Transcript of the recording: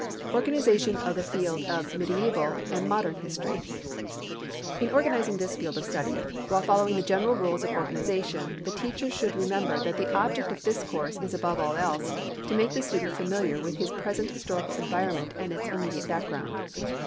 Organization of the Field of Medieval and Modern History. In organizing this field of study, while following the general rules of organization, the teacher should remember that the object of this course is above all else to make the student familiar with his present historical environment and its immediate background.